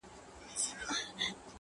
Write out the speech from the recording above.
لوستونکي پرې بحثونه کوي ډېر ژر-